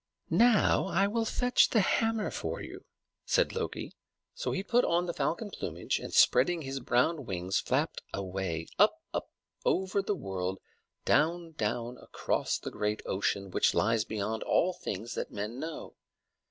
"Now will I fetch the hammer for you," said Loki. So he put on the falcon plumage, and, spreading his brown wings, flapped away up, up, over the world, down, down, across the great ocean which lies beyond all things that men know.